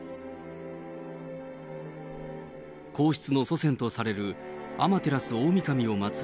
皇室の祖先とされる天照大神を祭る